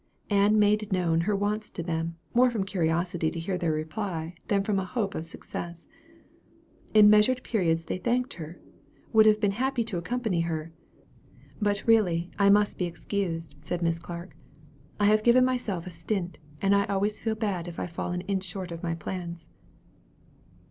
Ann made known her wants to them, more from curiosity to hear their reply, than from a hope of success. In measured periods they thanked her would have been happy to accompany her. "But, really, I must be excused," said Miss Clark. "I have given myself a stint, and I always feel bad if I fall an inch short of my plans."